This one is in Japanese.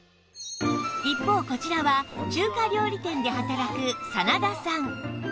一方こちらは中華料理店で働く真田さん